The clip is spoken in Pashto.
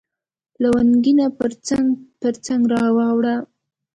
لونګینه پرڅنګ، پرڅنګ را واوړه